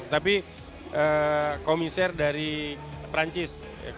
tapi komiser dari perancis